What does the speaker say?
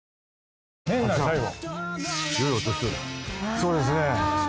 そうですね。